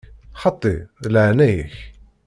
Xaṭi, deg leɛnaya-k!